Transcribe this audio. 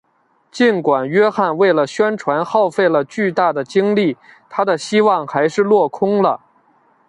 尽管约翰为了宣传耗费了巨大的精力他的希望还是落空了。